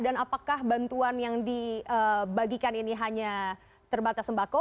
dan apakah bantuan yang dibagikan ini hanya terbatas sembako